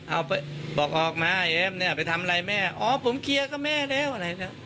เอาบอกออกมาเอ็มเนี่ยไปทำอะไรแม่อ๋อผมเคลียร์กับแม่แล้วอะไรแล้ว